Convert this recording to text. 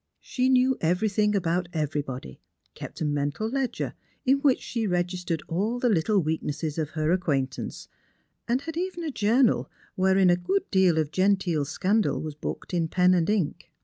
She knew everything about everybody ; kept a mental ledger in which she registered all the little weaknesses of her ac quaintance ; and had even a journal wherein a good deal of genteel scandal was booked in pen and ink.